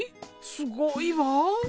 すごいわ。